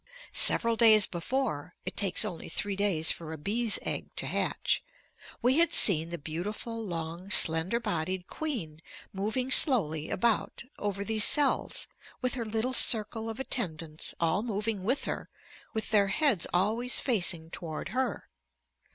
Several days before (it takes only three days for a bee's egg to hatch) we had seen the beautiful long slender bodied queen moving slowly about over these cells, with her little circle of attendants all moving with her with their heads always facing toward her.